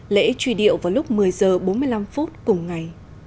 lễ truy điệu vào lúc một mươi h bốn mươi năm phút cùng ngày